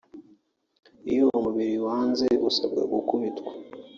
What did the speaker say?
Iyo umubiri wanze usabwa gukubitwa